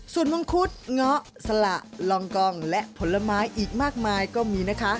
ส่วนมังคุดเงาะสละลองกองและผลไม้อีกมากมายก็มีนะคะ